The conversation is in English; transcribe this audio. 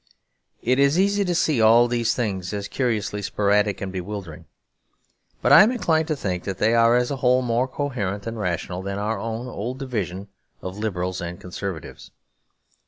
It is easy to see all these things as curiously sporadic and bewildering; but I am inclined to think that they are as a whole more coherent and rational than our own old division of Liberals and Conservatives.